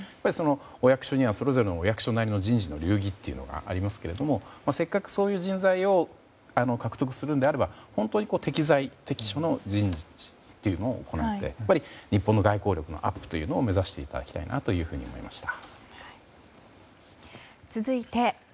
お役所にはそれぞれお役所なりの人事の流儀がありますけれどもせっかく、そういう人材を獲得するのであれば本当に適材適所の人事というのを行って日本の外交力のアップを目指していただきたいなと思いました。